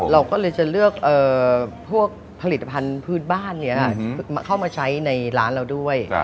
เราก็เลยจะเลือกพวกผลิตภัณฑ์พื้นบ้านนี้เข้ามาใช้ในร้านเราด้วย